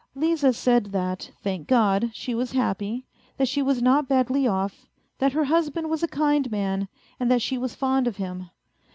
Liza said that, thank God, she was happy, that she was not badly off, that her husband was a kind man and that she was fond of him.